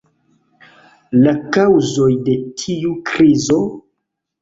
La kaŭzoj de tiu krizo?